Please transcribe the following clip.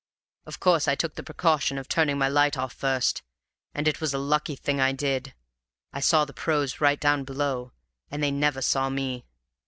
Of course I took the precaution of turning my light off first, and it was a lucky thing I did. I saw the pros. right down below, and they never saw me.